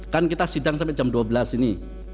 kan kita sidang sampai jam dua belas ini